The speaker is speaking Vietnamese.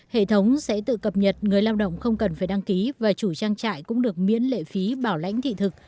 hệ thống sẽ tự cập nhật người lao động không cần phải đăng ký và chủ trang trại cũng được miễn lệ phí bảo lại